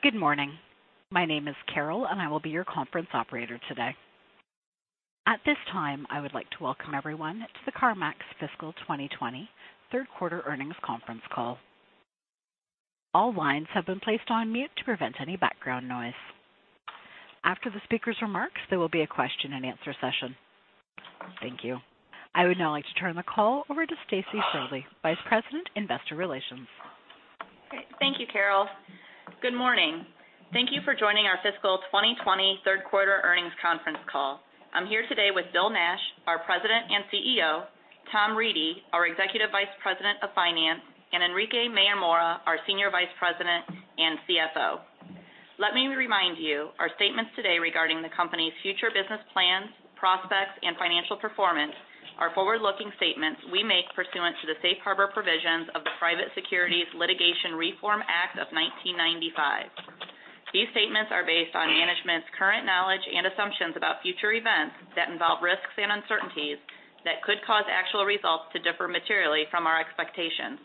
Good morning. My name is Carol, and I will be your conference operator today. At this time, I would like to welcome everyone to the CarMax Fiscal 2020 third quarter earnings conference call. All lines have been placed on mute to prevent any background noise. After the speaker's remarks, there will be a question and answer session. Thank you. I would now like to turn the call over to Stacy Shirley, Vice President, Investor Relations. Great. Thank you, Carol. Good morning. Thank you for joining our fiscal 2020 third quarter earnings conference call. I'm here today with Bill Nash, our President and CEO, Tom Reedy, our Executive Vice President of Finance, and Enrique Mayor-Mora, our Senior Vice President and CFO. Let me remind you, our statements today regarding the company's future business plans, prospects, and financial performance are forward-looking statements we make pursuant to the safe harbor provisions of the Private Securities Litigation Reform Act of 1995. These statements are based on management's current knowledge and assumptions about future events that involve risks and uncertainties that could cause actual results to differ materially from our expectations.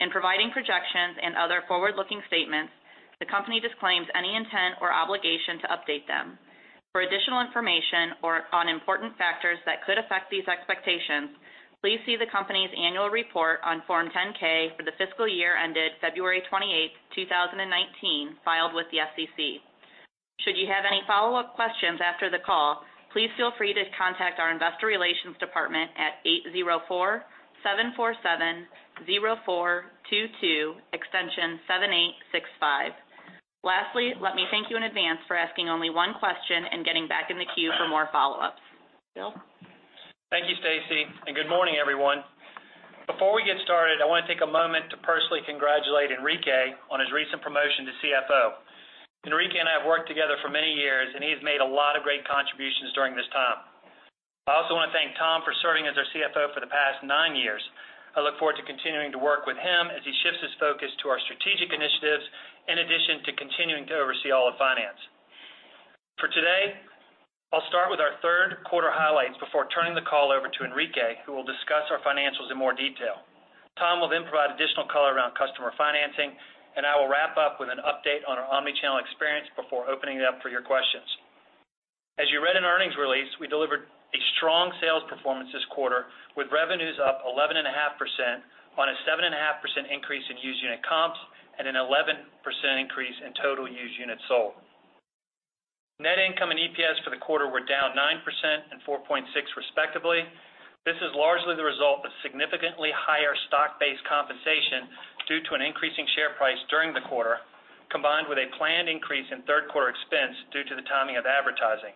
In providing projections and other forward-looking statements, the company disclaims any intent or obligation to update them. For additional information or on important factors that could affect these expectations, please see the company's annual report on Form 10-K for the fiscal year ended February 28, 2019, filed with the SEC. Should you have any follow-up questions after the call, please feel free to contact our investor relations department at 804-747-0422, extension 7865. Lastly, let me thank you in advance for asking only one question and getting back in the queue for more follow-ups. Bill? Thank you, Stacy, and good morning, everyone. Before we get started, I want to take a moment to personally congratulate Enrique on his recent promotion to CFO. Enrique and I have worked together for many years, and he has made a lot of great contributions during this time. I also want to thank Tom for serving as our CFO for the past nine years. I look forward to continuing to work with him as he shifts his focus to our strategic initiatives, in addition to continuing to oversee all of finance. For today, I'll start with our third quarter highlights before turning the call over to Enrique, who will discuss our financials in more detail. Tom will then provide additional color around customer financing, and I will wrap up with an update on our omni-channel experience before opening it up for your questions. As you read in the earnings release, we delivered a strong sales performance this quarter, with revenues up 11.5% on a 7.5% increase in used unit comps and an 11% increase in total used units sold. Net income and EPS for the quarter were down 9% and 4.6% respectively. This is largely the result of significantly higher stock-based compensation due to an increasing share price during the quarter, combined with a planned increase in third quarter expense due to the timing of advertising.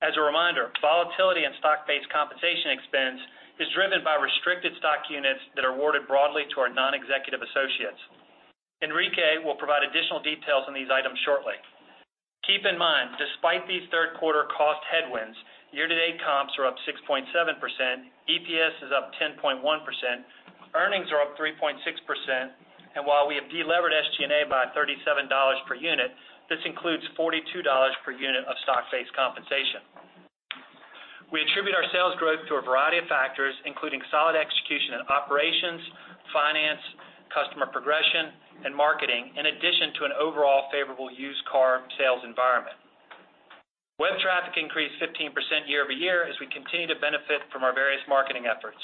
As a reminder, volatility in stock-based compensation expense is driven by restricted stock units that are awarded broadly to our non-executive associates. Enrique will provide additional details on these items shortly. Keep in mind, despite these third quarter cost headwinds, year-to-date comps are up 6.7%, EPS is up 10.1%, earnings are up 3.6%, and while we have delevered SG&A by $37 per unit, this includes $42 per unit of stock-based compensation. We attribute our sales growth to a variety of factors, including solid execution in operations, finance, customer progression, and marketing, in addition to an overall favorable used car sales environment. Web traffic increased 15% year-over-year as we continue to benefit from our various marketing efforts.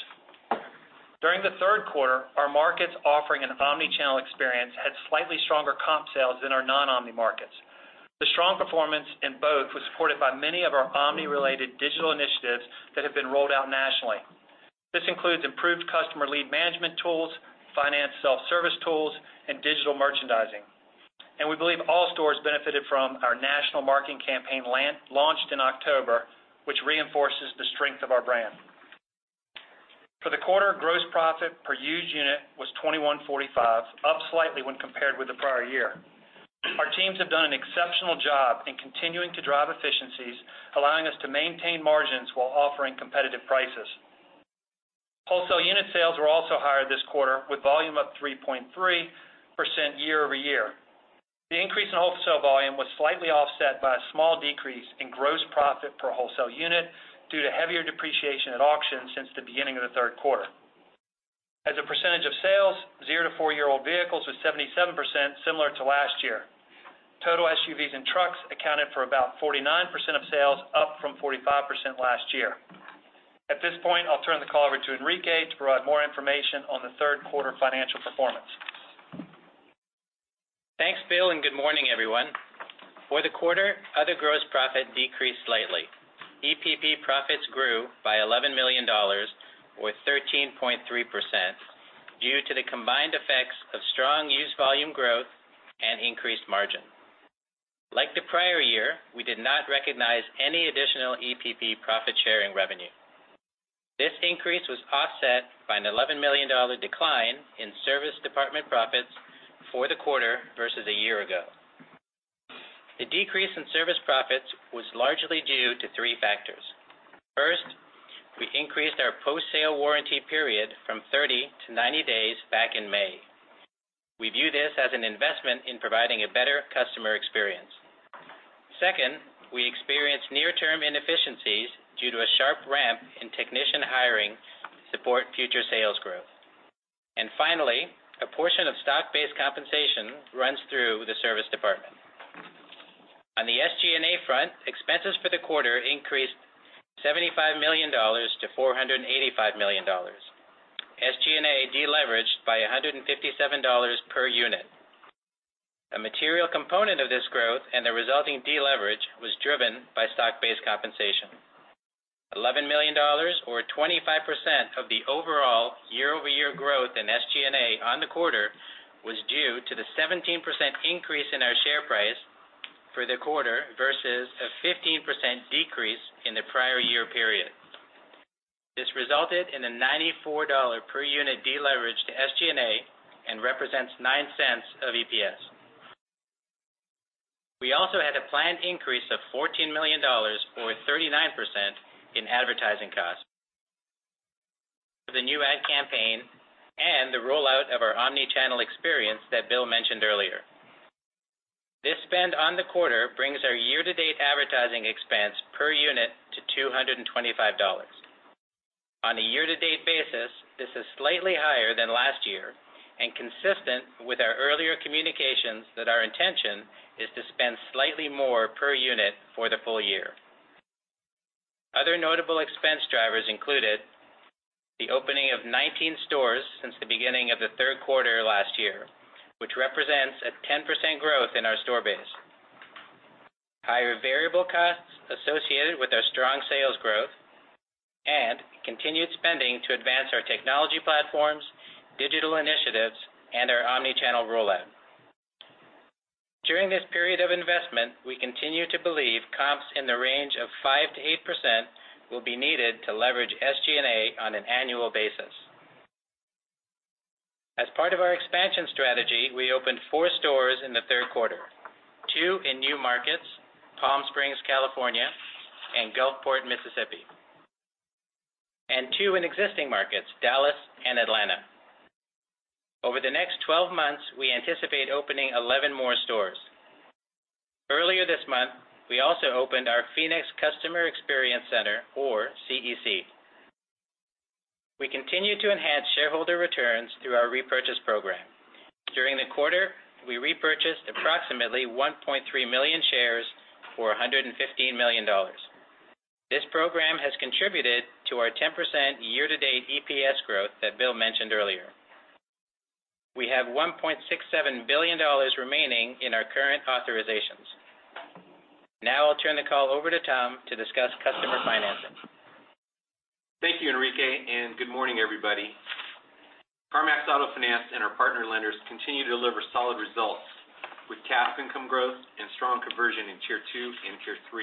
During the third quarter, our markets offering an omni-channel experience had slightly stronger comp sales than our non-omni markets. The strong performance in both was supported by many of our omni-related digital initiatives that have been rolled out nationally. This includes improved customer lead management tools, finance self-service tools, and digital merchandising. We believe all stores benefited from our national marketing campaign launched in October, which reinforces the strength of our brand. For the quarter, gross profit per used unit was $2,145, up slightly when compared with the prior year. Our teams have done an exceptional job in continuing to drive efficiencies, allowing us to maintain margins while offering competitive prices. Wholesale unit sales were also higher this quarter, with volume up 3.3% year-over-year. The increase in wholesale volume was slightly offset by a small decrease in gross profit per wholesale unit due to heavier depreciation at auction since the beginning of the third quarter. As a percentage of sales, zero to four-year-old vehicles was 77%, similar to last year. Total SUVs and trucks accounted for about 49% of sales, up from 45% last year. At this point, I'll turn the call over to Enrique to provide more information on the third quarter financial performance. Thanks, Bill, and good morning, everyone. For the quarter, other gross profit decreased slightly. EPP profits grew by $11 million, or 13.3%, due to the combined effects of strong used volume growth and increased margin. Like the prior year, we did not recognize any additional EPP profit-sharing revenue. This increase was offset by an $11 million decline in service department profits for the quarter versus a year ago. The decrease in service profits was largely due to three factors. First, we increased our post-sale warranty period from 30 to 90 days back in May. We view this as an investment in providing a better customer experience. Due to a sharp ramp in technician hiring to support future sales growth. Finally, a portion of stock-based compensation runs through the service department. On the SG&A front, expenses for the quarter increased $75 million to $485 million. SG&A deleveraged by $157 per unit. A material component of this growth and the resulting deleverage was driven by stock-based compensation. $11 million, or 25% of the overall year-over-year growth in SG&A on the quarter, was due to the 17% increase in our share price for the quarter versus a 15% decrease in the prior year period. This resulted in a $94 per unit deleverage to SG&A and represents $0.09 of EPS. We also had a planned increase of $14 million or 39% in advertising costs. The new ad campaign and the rollout of our omni-channel experience that Bill mentioned earlier. This spend on the quarter brings our year-to-date advertising expense per unit to $225. On a year-to-date basis, this is slightly higher than last year and consistent with our earlier communications that our intention is to spend slightly more per unit for the full year. Other notable expense drivers included the opening of 19 stores since the beginning of the third quarter last year, which represents a 10% growth in our store base. Higher variable costs associated with our strong sales growth and continued spending to advance our technology platforms, digital initiatives, and our omni-channel rollout. During this period of investment, we continue to believe comps in the range of 5%-8% will be needed to leverage SG&A on an annual basis. As part of our expansion strategy, we opened four stores in the third quarter, two in new markets, Palm Springs, California, and Gulfport, Mississippi, and two in existing markets, Dallas and Atlanta. Over the next 12 months, we anticipate opening 11 more stores. Earlier this month, we also opened our Phoenix Customer Experience Center or CEC. We continue to enhance shareholder returns through our repurchase program. During the quarter, we repurchased approximately 1.3 million shares for $115 million. This program has contributed to our 10% year-to-date EPS growth that Bill mentioned earlier. We have $1.67 billion remaining in our current authorizations. I'll turn the call over to Tom to discuss customer financing. Thank you, Enrique, and good morning, everybody. CarMax Auto Finance and our partner lenders continue to deliver solid results with CAF income growth and strong conversion in tier 2 and tier 3.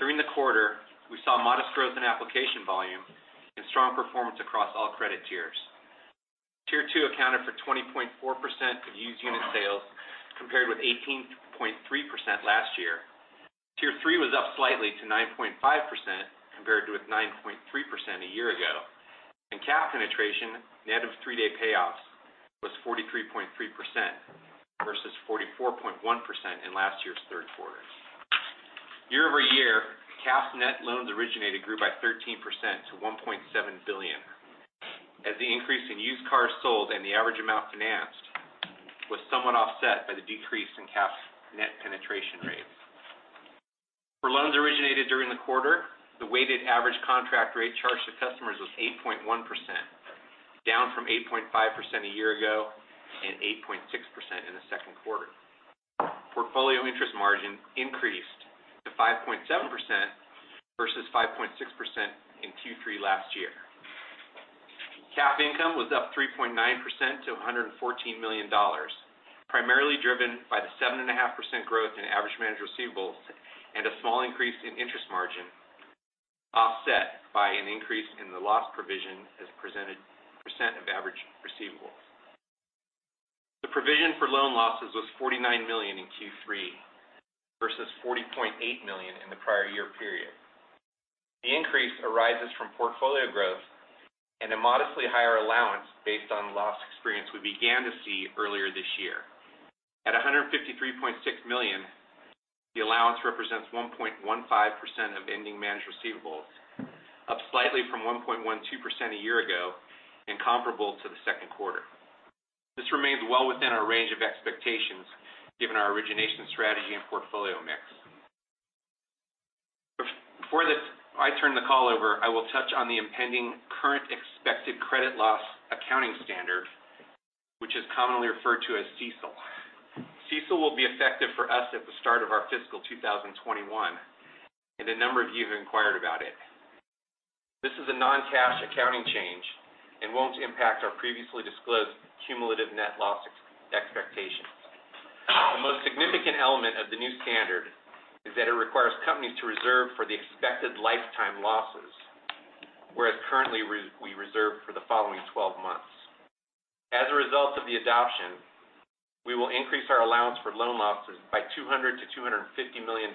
During the quarter, we saw modest growth in application volume and strong performance across all credit tiers. Tier 2 accounted for 20.4% of used unit sales, compared with 18.3% last year. Tier 3 was up slightly to 9.5%, compared with 9.3% a year ago, and CAF penetration net of three-day payoffs was 43.3% versus 44.1% in last year's third quarter. Year-over-year, CAF net loans originated grew by 13% to $1.7 billion as the increase in used cars sold and the average amount financed was somewhat offset by the decrease in CAF net penetration rates. For loans originated during the quarter, the weighted average contract rate charged to customers was 8.1%, down from 8.5% a year ago and 8.6% in the second quarter. Portfolio interest margin increased to 5.7% versus 5.6% in Q3 last year. CAF income was up 3.9% to $114 million, primarily driven by the 7.5% growth in average managed receivables and a small increase in interest margin, offset by an increase in the loss provision as presented percent of average receivables. The provision for loan losses was $49 million in Q3 versus $40.8 million in the prior year period. The increase arises from portfolio growth and a modestly higher allowance based on loss experience we began to see earlier this year. At $153.6 million, the allowance represents 1.15% of ending managed receivables, up slightly from 1.12% a year ago and comparable to the second quarter. This remains well within our range of expectations given our origination strategy and portfolio mix. Before I turn the call over, I will touch on the impending current expected credit loss accounting standard, which is commonly referred to as CECL. CECL will be effective for us at the start of our fiscal 2021, and a number of you have inquired about it. This is a non-cash accounting change and won't impact our previously disclosed cumulative net loss expectations. The most significant element of the new standard is that it requires companies to reserve for the expected lifetime losses, whereas currently we reserve for the following 12 months. As a result of the adoption, we will increase our allowance for loan losses by $200 million-$250 million.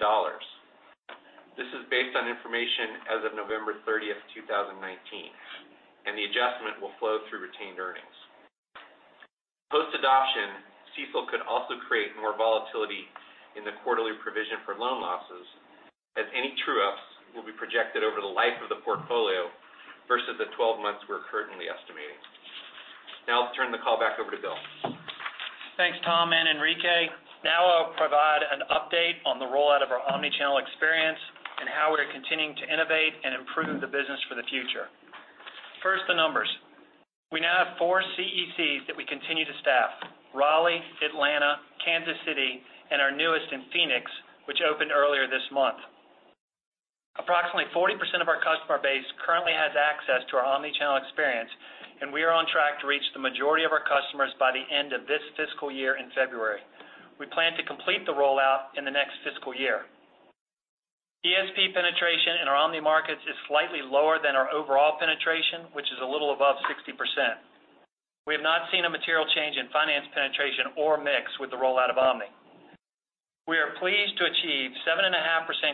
This is based on information as of November 30th, 2019, and the adjustment will flow through retained earnings. Post-adoption, CECL could also create more volatility in the quarterly provision for loan losses, as any true-ups will be projected over the life of the portfolio versus the 12 months we're currently estimating. Now I'll turn the call back over to Bill. Thanks, Tom and Enrique. Now I'll provide an update on the rollout of our omni-channel experience and how we're continuing to innovate and improve the business for the future. First, the numbers. We now have 4 CECs that we continue to staff: Raleigh, Atlanta, Kansas City, and our newest in Phoenix, which opened earlier this month. Approximately 40% of our customer base currently has access to our omni-channel experience, and we are on track to reach the majority of our customers by the end of this fiscal year in February. We plan to complete the rollout in the next fiscal year. EPP penetration in our omni markets is slightly lower than our overall penetration, which is a little above 60%. We have not seen a material change in finance penetration or mix with the rollout of omni. We are pleased to achieve 7.5%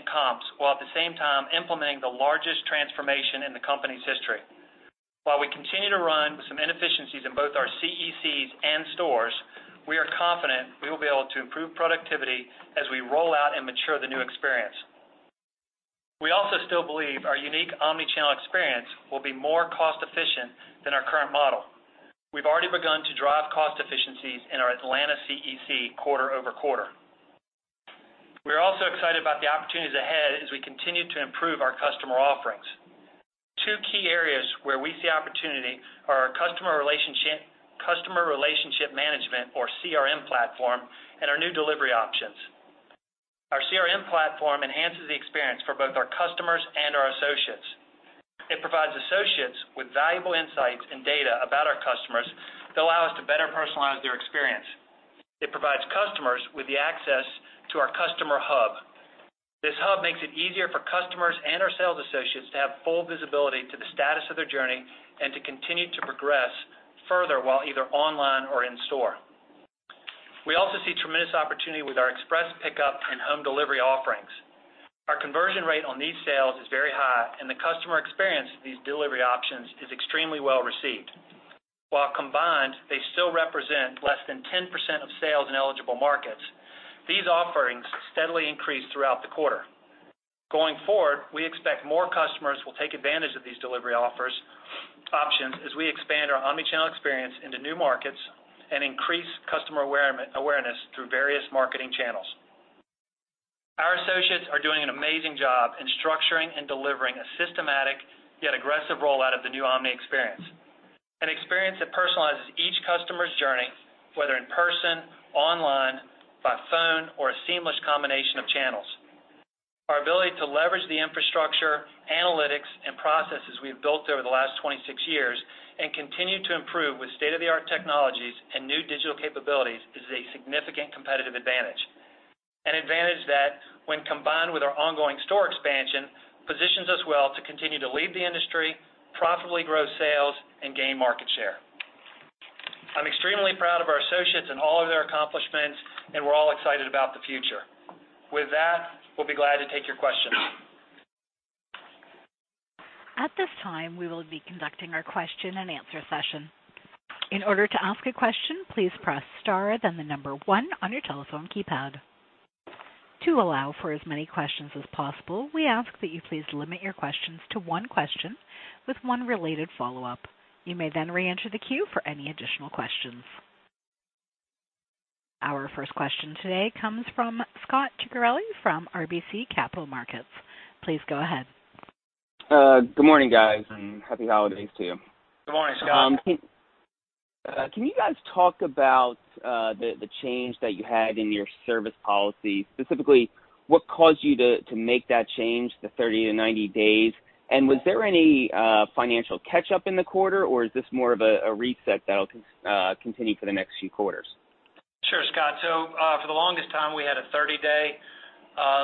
comps while at the same time implementing the largest transformation in the company's history. While we continue to run with some inefficiencies in both our CECs and stores, we are confident we will be able to improve productivity as we roll out and mature the new experience. We also still believe our unique omni-channel experience will be more cost-efficient than our current model. We've already begun to drive cost efficiencies in our Atlanta CEC quarter over quarter. We are also excited about the opportunities ahead as we continue to improve our customer offerings. Two key areas where we see opportunity are our customer relationship management, or CRM platform, and our new delivery options. Our CRM platform enhances the experience for both our customers and our associates. It provides associates with valuable insights and data about our customers that allow us to better personalize their experience. It provides customers with the access to our customer hub. This hub makes it easier for customers and our sales associates to have full visibility to the status of their journey and to continue to progress further while either online or in store. We also see tremendous opportunity with our express pickup and home delivery offerings. Our conversion rate on these sales is very high, and the customer experience of these delivery options is extremely well-received. While combined, they still represent less than 10% of sales in eligible markets, these offerings steadily increased throughout the quarter. Going forward, we expect more customers will take advantage of these delivery options as we expand our omni-channel experience into new markets and increase customer awareness through various marketing channels. Our associates are doing an amazing job in structuring and delivering a systematic yet aggressive rollout of the new omni experience, an experience that personalizes each customer's journey, whether in person, online, by phone, or a seamless combination of channels. Our ability to leverage the infrastructure, analytics, and processes we've built over the last 26 years and continue to improve with state-of-the-art technologies and new digital capabilities is a significant competitive advantage, an advantage that, when combined with our ongoing store expansion, positions us well to continue to lead the industry, profitably grow sales, and gain market share. I'm extremely proud of our associates and all of their accomplishments, and we're all excited about the future. With that, we'll be glad to take your questions. At this time, we will be conducting our question and answer session. In order to ask a question, please press star then the number 1 on your telephone keypad. To allow for as many questions as possible, we ask that you please limit your questions to one question with one related follow-up. You may then reenter the queue for any additional questions. Our first question today comes from Scot Ciccarelli from RBC Capital Markets. Please go ahead. Good morning, guys, and happy holidays to you. Good morning, Scot. Can you guys talk about the change that you had in your service policy, specifically, what caused you to make that change, the 30 to 90 days? Was there any financial catch-up in the quarter, or is this more of a reset that'll continue for the next few quarters? Sure, Scot. For the longest time, we had a 30-day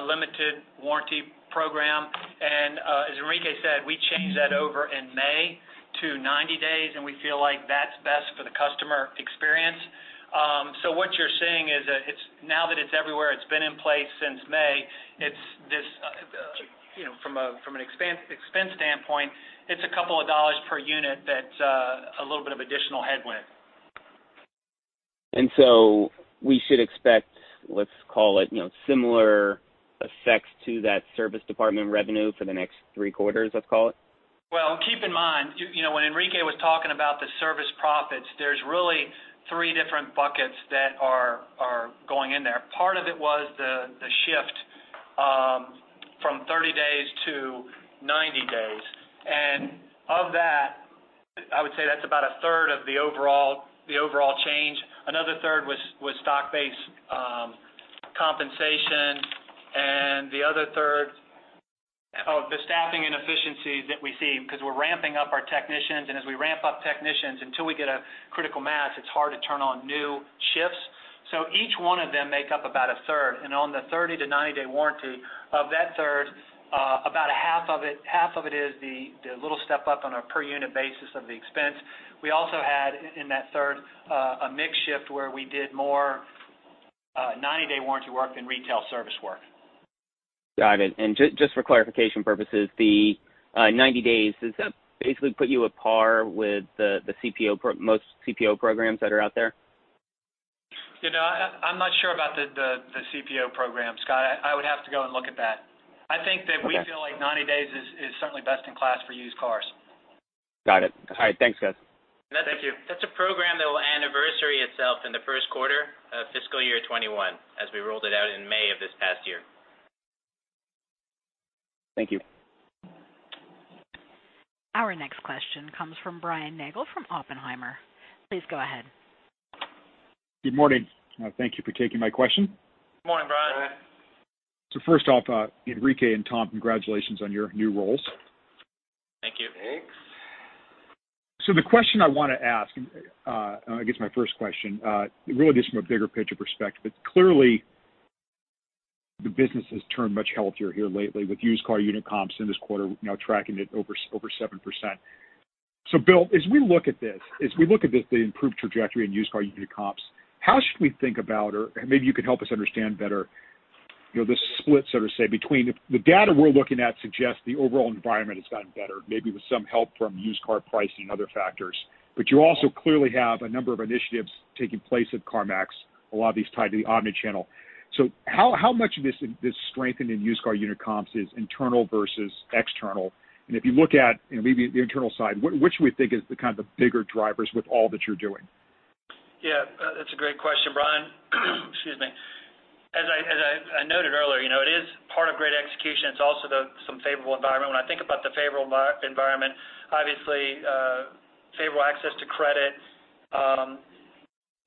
limited warranty program. As Enrique said, we changed that over in May to 90 days. We feel like that's best for the customer experience. What you're seeing is that now that it's everywhere, it's been in place since May, from an expense standpoint, it's a couple of dollars per unit, that's a little bit of additional headwind. We should expect, let's call it, similar effects to that service department revenue for the next three quarters, let's call it? Well, keep in mind, when Enrique was talking about the service profits, there's really three different buckets that are going in there. Part of it was the shift from 30 days to 90 days. Of that, I would say that's about a third of the overall change. Another third was stock-based compensation and the other third, the staffing inefficiencies that we see because we're ramping up our technicians. As we ramp up technicians, until we get a critical mass, it's hard to turn on new shifts. Each one of them make up about a third. On the 30- to 90-day warranty, of that third, about half of it is the little step-up on a per-unit basis of the expense. We also had, in that third, a mix shift where we did more 90-day warranty work than retail service work. Got it. Just for clarification purposes, the 90 days, does that basically put you at par with most CPO programs that are out there? I'm not sure about the CPO program, Scot. I would have to go and look at that. Okay. I think that we feel like 90 days is certainly best in class for used cars. Got it. All right, thanks, guys. Thank you. That's a program that will anniversary itself in the first quarter of fiscal year 2021, as we rolled it out in May of this past year. Thank you. Our next question comes from Brian Nagel from Oppenheimer. Please go ahead. Good morning. Thank you for taking my question. Good morning, Brian. Brian. First off, Enrique and Tom, congratulations on your new roles. Thank you. Thanks. The question I want to ask, I guess my first question, really just from a bigger picture perspective, but clearly the business has turned much healthier here lately with used car unit comps in this quarter now tracking at over 7%. Bill, as we look at this, the improved trajectory in used car unit comps, how should we think about or maybe you could help us understand better the split, so to say, between the data we're looking at suggests the overall environment has gotten better, maybe with some help from used car pricing and other factors. You also clearly have a number of initiatives taking place at CarMax, a lot of these tied to the omni-channel. How much of this strengthen in used car unit comps is internal versus external? If you look at maybe the internal side, which we think is the kind of bigger drivers with all that you're doing? Yeah, that's a great question, Brian. Excuse me. As I noted earlier, it is part of great execution. It's also some favorable environment. When I think about the favorable environment, obviously, favorable access to credit.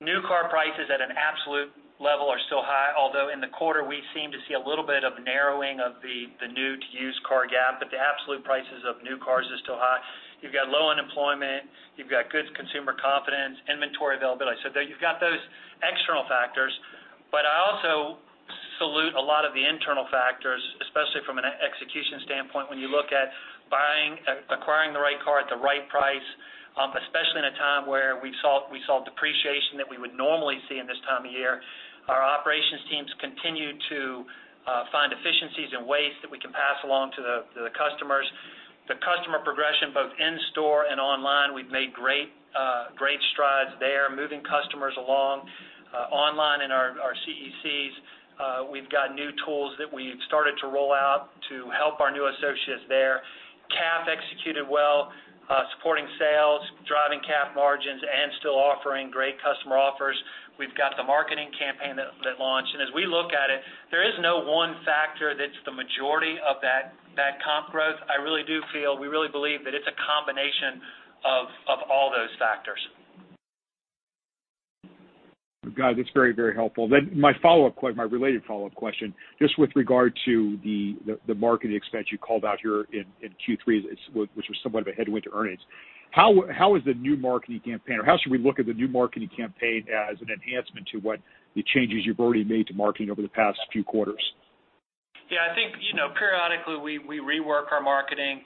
New car prices at an absolute level are still high, although in the quarter, we seem to see a little bit of narrowing of the new to used car gap, but the absolute prices of new cars is still high. You've got low unemployment, you've got good consumer confidence, inventory availability. You've got those external factors, but I also salute a lot of the internal factors, especially from an execution standpoint, when you look at acquiring the right car at the right price, especially in a time where we saw depreciation that we would normally see in this time of year. Our operations teams continue to find efficiencies and ways that we can pass along to the customers. The customer progression, both in store and online, we've made great strides there, moving customers along online in our CECs. We've got new tools that we've started to roll out to help our new associates there. CAF executed well, supporting sales, driving CAF margins, and still offering great customer offers. We've got the marketing campaign that launched. As we look at it, there is no one factor that's the majority of that comp growth. I really do feel, we really believe that it's a combination of all those factors. Got it. That's very helpful. My related follow-up question, just with regard to the marketing expense you called out here in Q3, which was somewhat of a headwind to earnings. How is the new marketing campaign, or how should we look at the new marketing campaign as an enhancement to what the changes you've already made to marketing over the past few quarters? Yeah, I think, periodically we rework our marketing.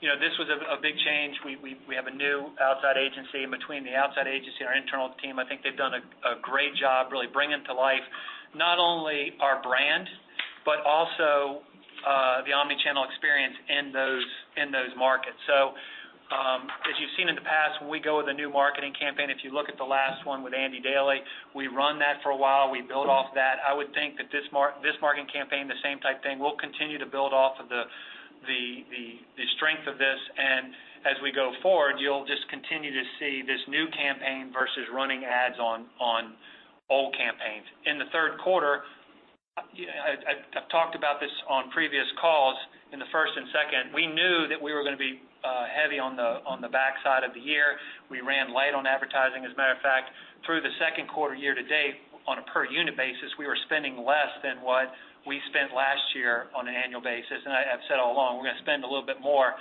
This was a big change. We have a new outside agency. Between the outside agency and our internal team, I think they've done a great job really bringing to life not only our brand, but also the omni-channel experience in those markets. As you've seen in the past, when we go with a new marketing campaign, if you look at the last one with Andy Daly, we run that for a while, we build off that. I would think that this marketing campaign, the same type thing. We'll continue to build off of the strength of this, and as we go forward, you'll just continue to see this new campaign versus running ads on old campaigns. In the third quarter, I've talked about this on previous calls in the first and second, we knew that we were going to be heavy on the backside of the year. We ran light on advertising, as a matter of fact. Through the second quarter year to date on a per unit basis, we were spending less than what we spent last year on an annual basis. I've said all along, we're going to spend a little bit more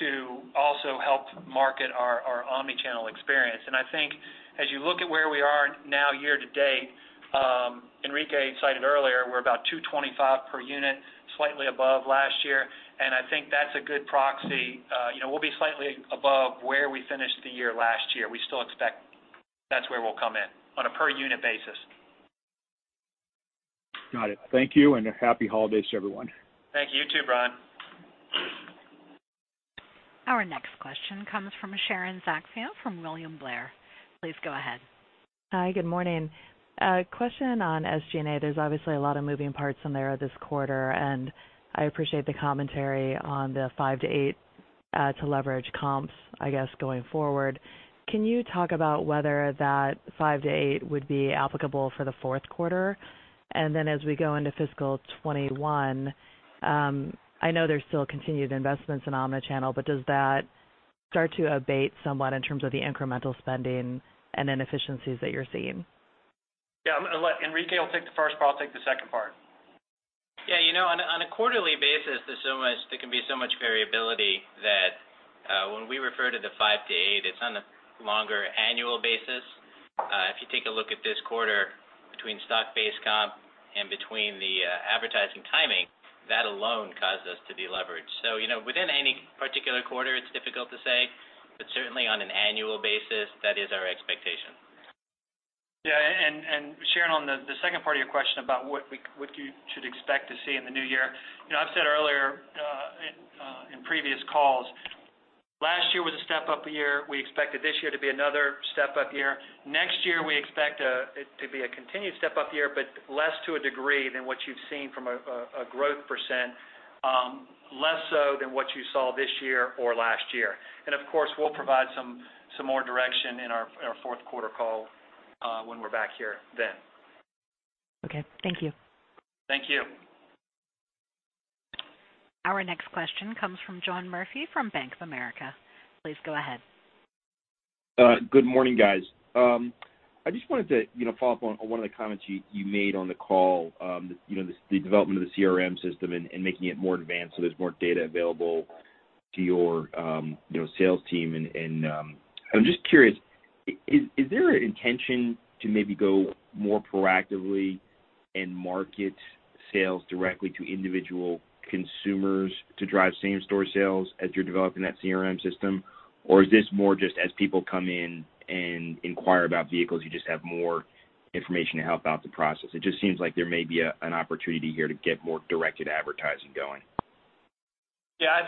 to also help market our omni-channel experience. I think as you look at where we are now year to date, Enrique cited earlier, we're about $225 per unit, slightly above last year, and I think that's a good proxy. We'll be slightly above where we finished the year last year. We still expect that's where we'll come in on a per unit basis. Got it. Thank you. Happy holidays to everyone. Thank you. You too, Brian. Our next question comes from Sharon Zackfia from William Blair. Please go ahead. Hi, good morning. A question on SG&A. There's obviously a lot of moving parts in there this quarter, and I appreciate the commentary on the 5% to 8% to leverage comps, I guess, going forward. Can you talk about whether that 5% to 8% would be applicable for the fourth quarter? As we go into fiscal 2021, I know there's still continued investments in omni-channel, but does that start to abate somewhat in terms of the incremental spending and inefficiencies that you're seeing? Yeah, I'm going to let Enrique take the first part, I'll take the second part. Yeah. On a quarterly basis, there can be so much variability that when we refer to the 5-8, it's on a longer annual basis. If you take a look at this quarter between stock-based comp and between the advertisement alone caused us to de-leverage. So, within any particular quarter, it's difficult to say, but certainly on an annual basis, that is our expectation. Sharon, on the second part of your question about what you should expect to see in the new year. I've said earlier in previous calls, last year was a step-up year. We expected this year to be another step-up year. Next year, we expect it to be a continued step-up year, but less to a degree than what you've seen from a growth percent, less so than what you saw this year or last year. Of course, we'll provide some more direction in our fourth quarter call when we're back here then. Okay. Thank you. Thank you. Our next question comes from John Murphy from Bank of America. Please go ahead. Good morning, guys. I just wanted to follow up on one of the comments you made on the call, the development of the CRM system and making it more advanced so there's more data available to your sales team. I'm just curious, is there an intention to maybe go more proactively and market sales directly to individual consumers to drive same-store sales as you're developing that CRM system? Or is this more just as people come in and inquire about vehicles, you just have more information to help out the process? It just seems like there may be an opportunity here to get more directed advertising going. Yeah,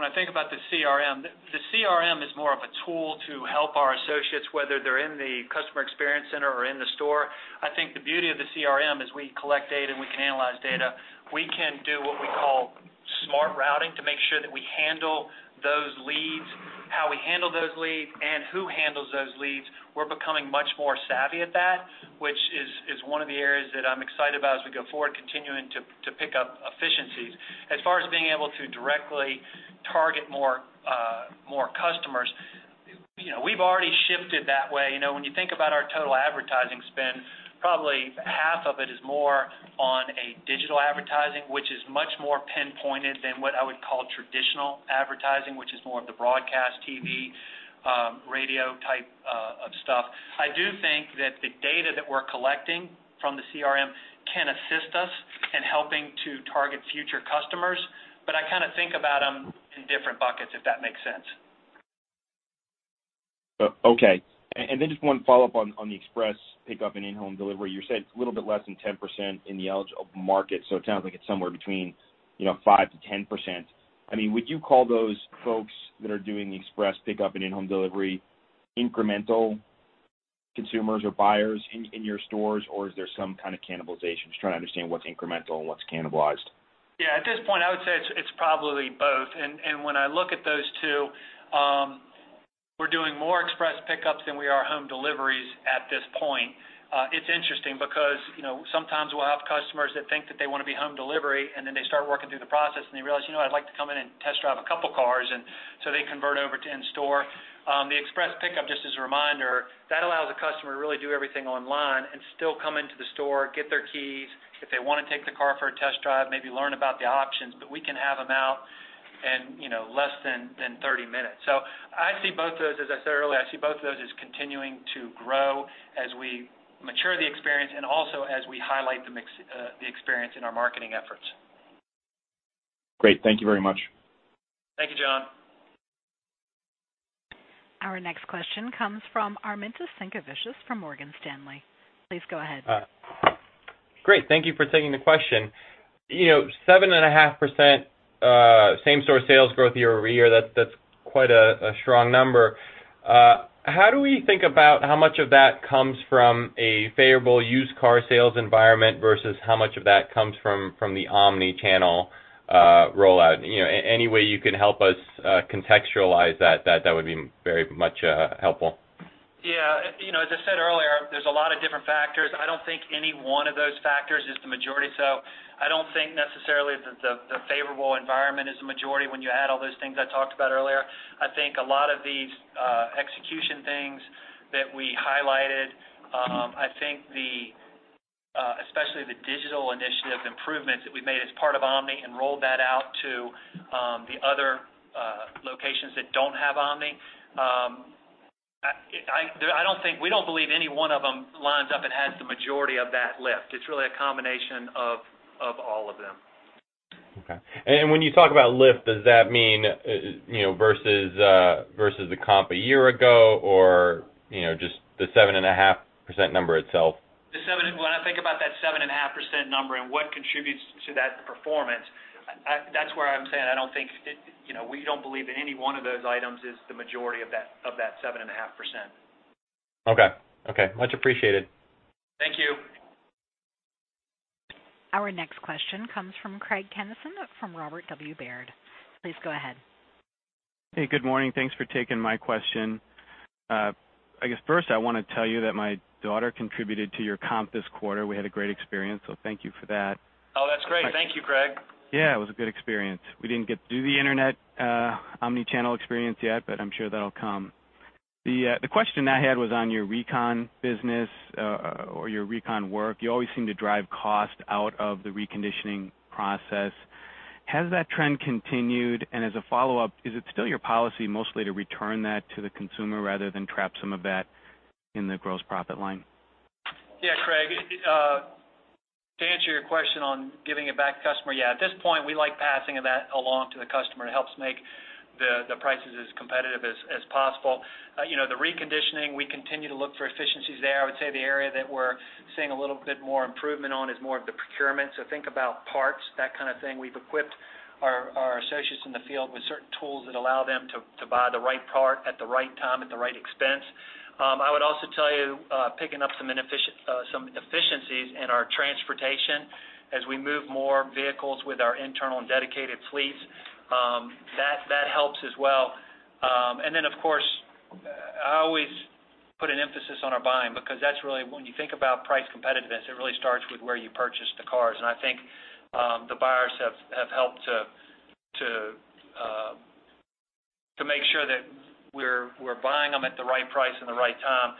when I think about the CRM, the CRM is more of a tool to help our associates, whether they're in the Customer Experience Center or in the store. I think the beauty of the CRM is we collect data, and we can analyze data. We can do what we call smart routing to make sure that we handle those leads, how we handle those leads, and who handles those leads. We're becoming much more savvy at that, which is one of the areas that I'm excited about as we go forward, continuing to pick up efficiencies. As far as being able to directly target more customers, we've already shifted that way. When you think about our total advertising spend, probably half of it is more on a digital advertising, which is much more pinpointed than what I would call traditional advertising, which is more of the broadcast TV, radio type of stuff. I do think that the data that we're collecting from the CRM can assist us in helping to target future customers, but I kind of think about them in different buckets, if that makes sense. Okay. Just one follow-up on the express pickup and in-home delivery. You said it's a little bit less than 10% in the eligible market. It sounds like it's somewhere between 5%-10%. Would you call those folks that are doing the express pickup and in-home delivery incremental consumers or buyers in your stores, or is there some kind of cannibalization? Just trying to understand what's incremental and what's cannibalized. Yeah, at this point, I would say it's probably both. When I look at those two, we're doing more express pickups than we are home deliveries at this point. It's interesting because sometimes we'll have customers that think that they want to be home delivery, and then they start working through the process, and they realize, "You know what? I'd like to come in and test drive a couple cars," and so they convert over to in-store. The express pickup, just as a reminder, that allows a customer to really do everything online and still come into the store, get their keys, if they want to take the car for a test drive, maybe learn about the options. We can have them out in less than 30 minutes. I see both those, as I said earlier, I see both of those as continuing to grow as we mature the experience and also as we highlight the experience in our marketing efforts. Great. Thank you very much. Thank you, John. Our next question comes from Armintas Sinkevicius from Morgan Stanley. Please go ahead. Great. Thank you for taking the question. 7.5% same-store sales growth year-over-year, that's quite a strong number. How do we think about how much of that comes from a favorable used car sales environment versus how much of that comes from the omni-channel rollout? Any way you can help us contextualize that would be very much helpful. Yeah. As I said earlier, there's a lot of different factors. I don't think any one of those factors is the majority. So I don't think necessarily that the favorable environment is the majority when you add all those things I talked about earlier. I think a lot of these execution things that we highlighted, I think especially the digital initiative improvements that we made as part of Omni and rolled that out to the other locations that don't have Omni. We don't believe any one of them lines up and has the majority of that lift. It's really a combination of all of them. Okay. When you talk about lift, does that mean versus the comp a year ago, or just the 7.5% number itself? When I think about that 7.5% number and what contributes to that performance, that's where I'm saying we don't believe that any one of those items is the majority of that 7.5%. Okay. Much appreciated. Thank you. Our next question comes from Craig Kennison from Robert W. Baird. Please go ahead. Hey, good morning. Thanks for taking my question. I guess first I want to tell you that my daughter contributed to your comp this quarter. We had a great experience, so thank you for that. Oh, that's great. Thank you, Craig. Yeah, it was a good experience. We didn't get to do the internet omni-channel experience yet, but I'm sure that'll come. The question I had was on your recon business, or your recon work. You always seem to drive cost out of the reconditioning process. Has that trend continued? As a follow-up, is it still your policy mostly to return that to the consumer rather than trap some of that in the gross profit line? Yeah, Craig, to answer your question on giving it back to customer, yeah, at this point, we like passing that along to the customer. It helps make the prices as competitive as possible. The reconditioning, we continue to look for efficiencies there. I would say the area that we're seeing a little bit more improvement on is more of the procurement. Think about parts, that kind of thing. We've equipped our associates in the field with certain tools that allow them to buy the right part at the right time, at the right expense. I would also tell you, picking up some efficiencies in our transportation as we move more vehicles with our internal and dedicated fleets. That helps as well. Of course, I always put an emphasis on our buying, because when you think about price competitiveness, it really starts with where you purchase the cars. I think, the buyers have helped to make sure that we're buying them at the right price and the right time.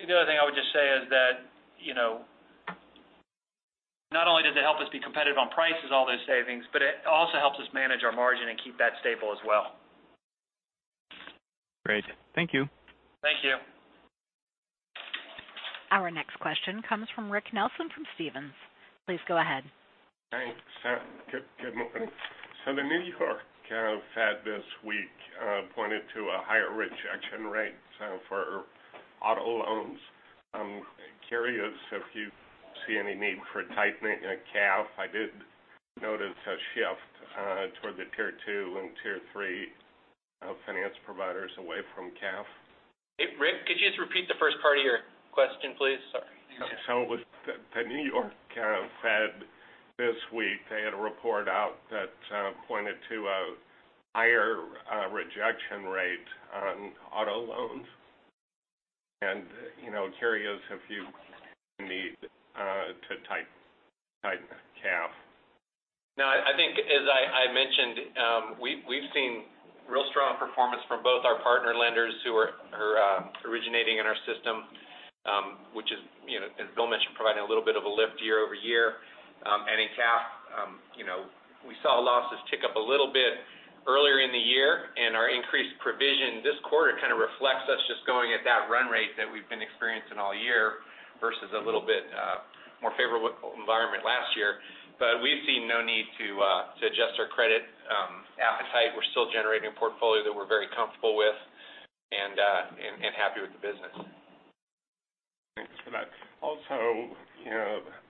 The other thing I would just say is that, not only does it help us be competitive on prices, all those savings, but it also helps us manage our margin and keep that stable as well. Great. Thank you. Thank you. Our next question comes from Rick Nelson from Stephens. Please go ahead. Thanks. Good morning. The New York Fed this week pointed to a higher rejection rate for auto loans. I'm curious if you see any need for tightening in CAF. I did notice a shift toward the tier 2 and tier 3 finance providers away from CAF. Hey, Rick, could you just repeat the first part of your question, please? Sorry. It was the New York Fed this week, they had a report out that pointed to a higher rejection rate on auto loans. Curious if you need to tighten CAF. I think, as I mentioned, we've seen real strong performance from both our partner lenders who are originating in our system, which is, as Bill mentioned, providing a little bit of a lift year-over-year. In CAF, we saw losses tick up a little bit earlier in the year, and our increased provision this quarter kind of reflects us just going at that run rate that we've been experiencing all year versus a little bit more favorable environment last year. We've seen no need to adjust our credit appetite. We're still generating a portfolio that we're very comfortable with and happy with the business. Thanks for that. Also,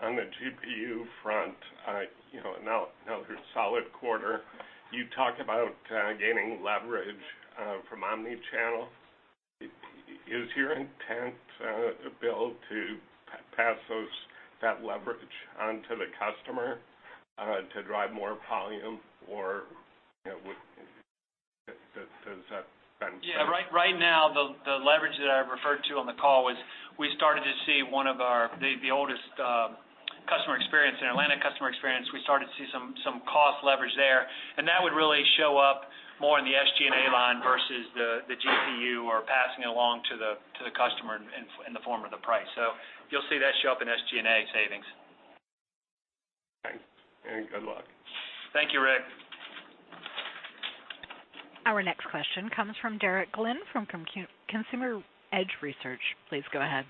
on the GPU front, another solid quarter. You talk about gaining leverage from omni-channel. Is your intent, Bill, to pass that leverage onto the customer to drive more volume, or does that spend-? Yeah, right now the leverage that I referred to on the call was we started to see one of the oldest Customer Experience Centers in Atlanta. We started to see some cost leverage there. That would really show up more in the SG&A line versus the GPU or passing along to the customer in the form of the price. You'll see that show up in SG&A savings. Okay. Good luck. Thank you, Rick. Our next question comes from Derek Glynn from Consumer Edge Research. Please go ahead.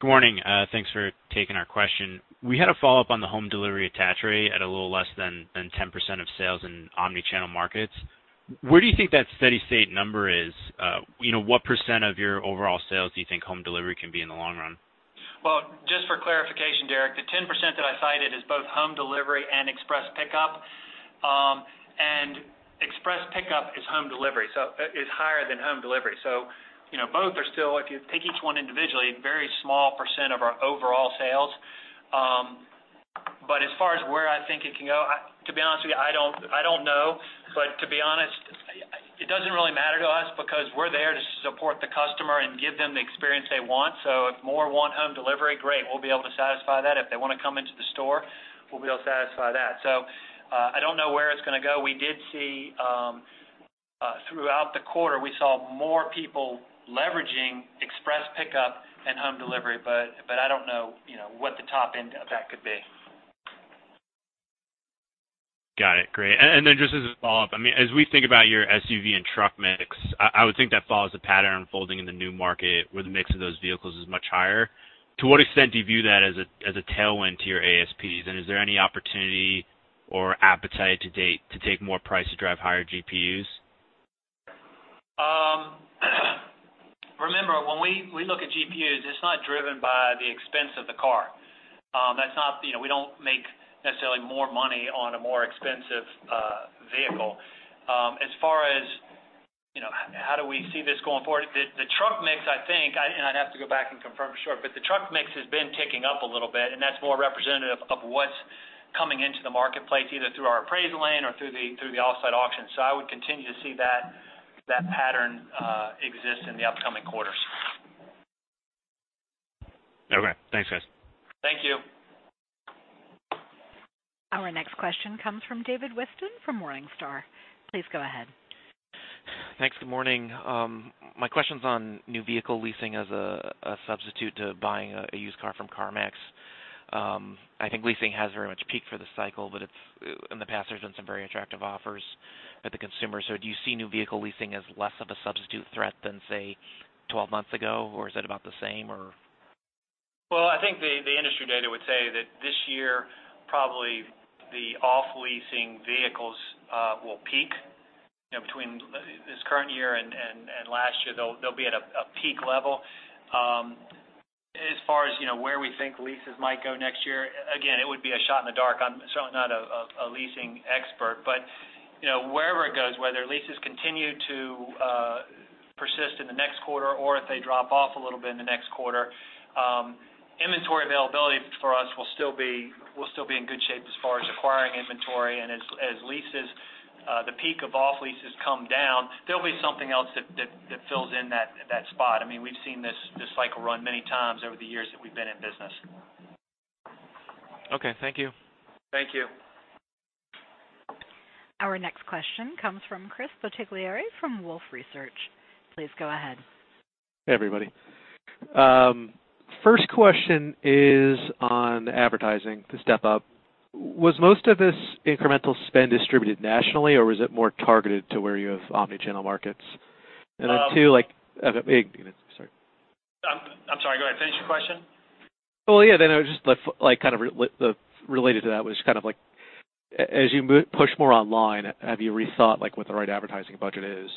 Good morning. Thanks for taking our question. We had a follow-up on the home delivery attach rate at a little less than 10% of sales in omni-channel markets. Where do you think that steady state number is? What % of your overall sales do you think home delivery can be in the long run? Just for clarification, Derek, the 10% that I cited is both home delivery and express pickup. Express pickup is home delivery, so it's higher than home delivery. Both are still, if you take each one individually, very small % of our overall sales. As far as where I think it can go, to be honest with you, I don't know. To be honest, it doesn't really matter to us because we're there to support the customer and give them the experience they want. If more want home delivery, great, we'll be able to satisfy that. If they want to come into the store, we'll be able to satisfy that. I don't know where it's going to go. We did see, throughout the quarter, we saw more people leveraging express pickup and home delivery, but I don't know what the top end of that could be. Got it. Great. Just as a follow-up, as we think about your SUV and truck mix, I would think that follows the pattern unfolding in the new market where the mix of those vehicles is much higher. To what extent do you view that as a tailwind to your ASPs? Is there any opportunity or appetite to date to take more price to drive higher GPUs? Remember, when we look at GPUs, it's not driven by the expense of the car. We don't make necessarily more money on a more expensive vehicle. As far as how do we see this going forward, the truck mix, I think, and I'd have to go back and confirm for sure, but the truck mix has been ticking up a little bit, and that's more representative of what's coming into the marketplace, either through our appraisal lane or through the offsite auction. I would continue to see that pattern exist in the upcoming quarters. Okay, thanks, guys. Thank you. Our next question comes from David Whiston from Morningstar. Please go ahead. Thanks. Good morning. My question's on new vehicle leasing as a substitute to buying a used car from CarMax. I think leasing has very much peaked for the cycle, but in the past, there's been some very attractive offers at the consumer. Do you see new vehicle leasing as less of a substitute threat than, say, 12 months ago, or is it about the same or? I think the industry data would say that this year probably the off-leasing vehicles will peak. Between this current year and last year, they'll be at a peak level. As far as where we think leases might go next year, again, it would be a shot in the dark. I'm certainly not a leasing expert, but wherever it goes, whether leases continue to persist in the next quarter or if they drop off a little bit in the next quarter, inventory availability for us will still be in good shape as far as acquiring inventory. As the peak of off leases come down, there'll be something else that fills in that spot. We've seen this cycle run many times over the years that we've been in business. Okay. Thank you. Thank you. Our next question comes from Chris Bottiglieri from Wolfe Research. Please go ahead. Hey, everybody. First question is on advertising, the step up. Was most of this incremental spend distributed nationally, or was it more targeted to where you have omni-channel markets? Two, like, sorry. I'm sorry. Go ahead, finish your question. Well, yeah, just kind of related to that was kind of like, as you push more online, have you rethought what the right advertising budget is?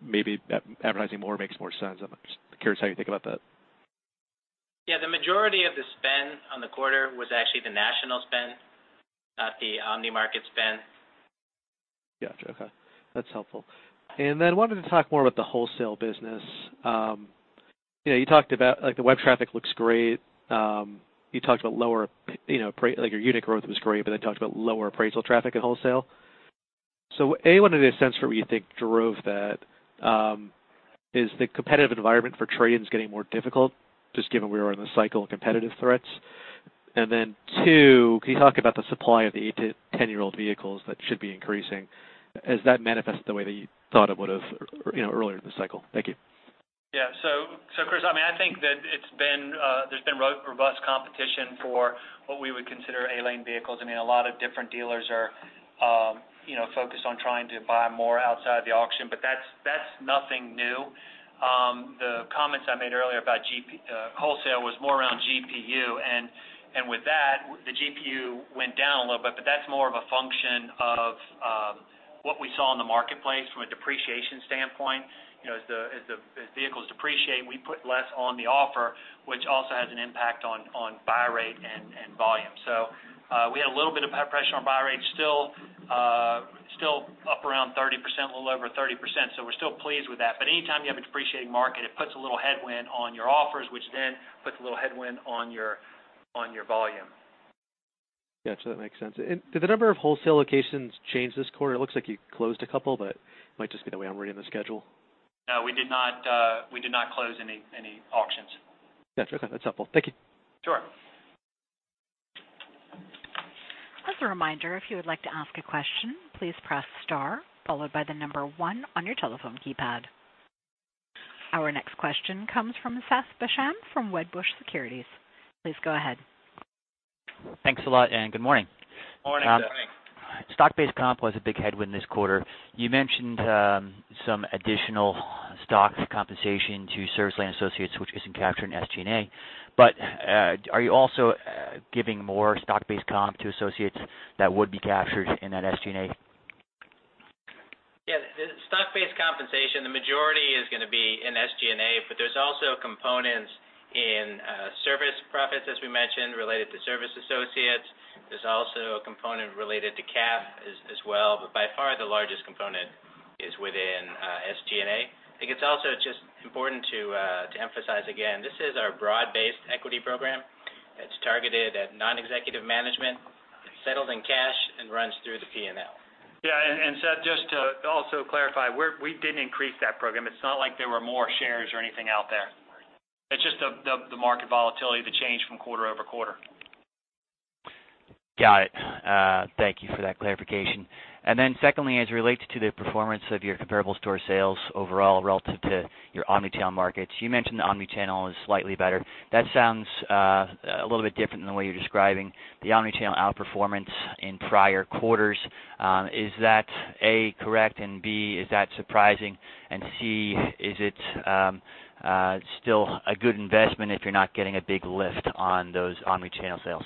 Maybe advertising more makes more sense. I'm just curious how you think about that. Yeah, the majority of the spend on the quarter was actually the national spend, not the omni market spend. Gotcha. Okay. That's helpful. Wanted to talk more about the wholesale business. You talked about the web traffic looks great. You talked about your unit growth was great, talked about lower appraisal traffic at wholesale. A, wanted a sense for what you think drove that. Is the competitive environment for trade-ins getting more difficult just given where we are in the cycle and competitive threats? Two, can you talk about the supply of the eight to ten-year-old vehicles that should be increasing. Has that manifested the way that you thought it would have earlier in the cycle? Thank you. Yeah. Chris, I think that there's been robust competition for what we would consider A lane vehicles. A lot of different dealers are focused on trying to buy more outside the auction, that's nothing new. The comments I made earlier about wholesale was more around GPU, with that, the GPU went down a little bit, that's more of a function of what we saw in the marketplace from a depreciation standpoint. As the vehicles depreciate, we put less on the offer, which also has an impact on buy rate and volume. We had a little bit of pressure on buy rate, still up around 30%, a little over 30%, we're still pleased with that. Anytime you have a depreciating market, it puts a little headwind on your offers, which then puts a little headwind on your volume. Gotcha. That makes sense. Did the number of wholesale locations change this quarter? It looks like you closed a couple, but it might just be the way I'm reading the schedule. No, we did not close any auctions. Gotcha. Okay. That's helpful. Thank you. Sure. As a reminder, if you would like to ask a question, please press star followed by the number one on your telephone keypad. Our next question comes from Seth Basham from Wedbush Securities. Please go ahead. Thanks a lot, and good morning. Morning, Seth. Stock-based comp was a big headwind this quarter. You mentioned some additional stock compensation to service lane associates, which isn't captured in SG&A. Are you also giving more stock-based comp to associates that would be captured in that SG&A? Yeah. Stock-based compensation, the majority is going to be in SG&A, but there's also components in service profits, as we mentioned, related to service associates. There's also a component related to CAF as well. By far, the largest component is within SG&A. I think it's also just important to emphasize again, this is our broad-based equity program. It's targeted at non-executive management. It's settled in cash and runs through the P&L. Yeah. Seth, just to also clarify, we didn't increase that program. It's not like there were more shares or anything out there. It's just the market volatility, the change from quarter-over-quarter. Got it. Thank you for that clarification. Secondly, as it relates to the performance of your comparable store sales overall relative to your omni-channel markets, you mentioned the omni-channel is slightly better. That sounds a little bit different than the way you're describing the omni-channel outperformance in prior quarters. Is that, A, correct, and B, is that surprising, and C, is it still a good investment if you're not getting a big lift on those omni-channel sales?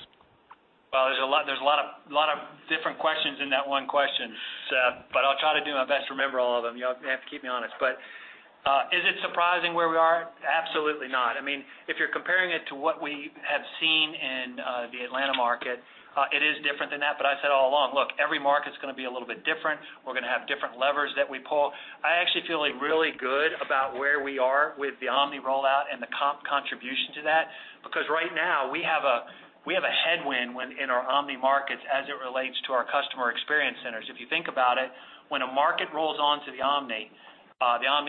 There's a lot of different questions in that one question, Seth, I'll try to do my best to remember all of them. You have to keep me honest. Is it surprising where we are? Absolutely not. If you're comparing it to what we have seen in the Atlanta market, it is different than that. I said all along, look, every market's going to be a little bit different. We're going to have different levers that we pull. I actually feel really good about where we are with the omni rollout and the comp contribution to that, because right now we have a headwind in our omni markets as it relates to our Customer Experience Centers. If you think about it, when a market rolls on to the omni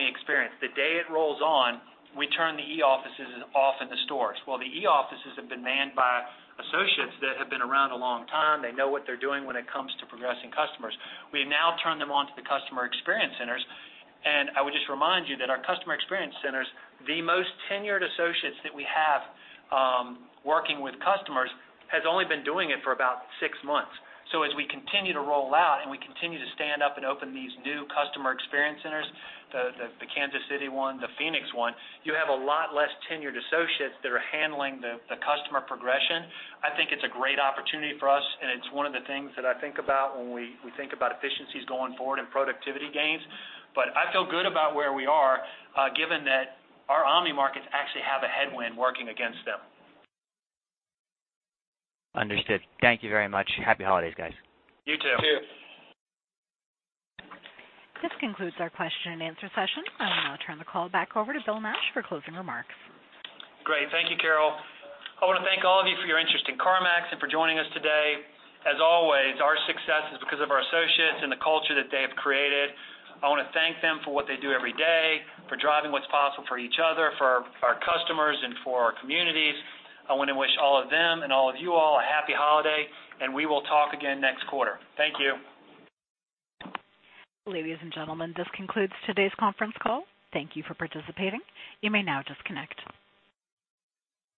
experience, the day it rolls on, we turn the e-offices off in the stores. The e-offices have been manned by associates that have been around a long time. They know what they're doing when it comes to progressing customers. We have now turned them on to the Customer Experience Centers, and I would just remind you that our Customer Experience Centers, the most tenured associates that we have working with customers, has only been doing it for about six months. As we continue to roll out and we continue to stand up and open these new Customer Experience Centers, the Kansas City one, the Phoenix one, you have a lot less tenured associates that are handling the customer progression. I think it's a great opportunity for us, and it's one of the things that I think about when we think about efficiencies going forward and productivity gains. I feel good about where we are, given that our omni markets actually have a headwind working against them. Understood. Thank you very much. Happy holidays, guys. You too. You too. This concludes our question and answer session. I'll now turn the call back over to Bill Nash for closing remarks. Great. Thank you, Carol. I want to thank all of you for your interest in CarMax and for joining us today. As always, our success is because of our associates and the culture that they have created. I want to thank them for what they do every day, for driving what's possible for each other, for our customers, and for our communities. I want to wish all of them and all of you all a happy holiday, and we will talk again next quarter. Thank you. Ladies and gentlemen, this concludes today's conference call. Thank you for participating. You may now disconnect.